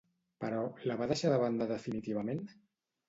Però la va deixar de banda definitivament?